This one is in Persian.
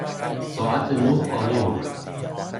ساعت نه خواهیم آمد.